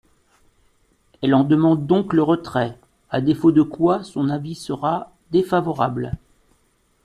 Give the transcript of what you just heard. Elle en demande donc le retrait, à défaut de quoi son avis sera défavorable.